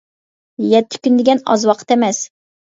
يەتتە كۈن دېگەن ئاز ۋاقىت ئەمەس.